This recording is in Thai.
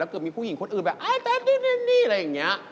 แล้วก็มีผู้หญิงคนอื่นแบบไอ้แป๊ปอะไรอย่างนี้